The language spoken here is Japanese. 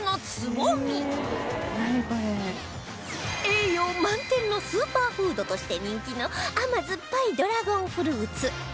栄養満点のスーパーフードとして人気の甘酸っぱいドラゴンフルーツ